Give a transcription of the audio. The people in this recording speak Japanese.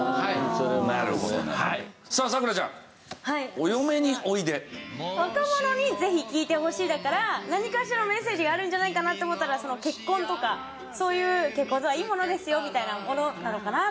「『お嫁においで』」「若者にぜひ聴いてほしい」だから何かしらのメッセージがあるんじゃないかなって思ったら結婚とかそういう「結婚とはいいものですよ」みたいなものなのかなと思って。